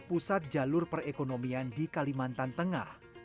pusat jalur perekonomian di kalimantan tengah